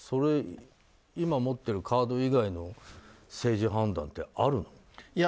今持ってるカード以外の政治判断ってあるの？